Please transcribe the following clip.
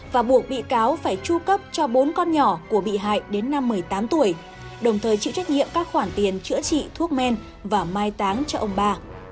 và buộc bị cáo phải tru cấp cho bốn con nhỏ của bị hại đến năm một mươi tám tuổi đồng thời chịu trách nhiệm các khoản tiền chữa trị thuốc men và mai táng cho ông ba